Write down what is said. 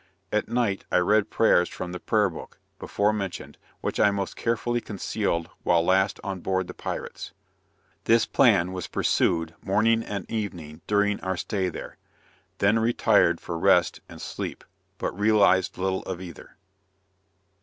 At night, I read prayers from the "Prayer Book," before mentioned, which I most carefully concealed while last on board the pirates. This plan was pursued morning and evening, during our stay there. Then retired for rest and sleep, but realized little of either.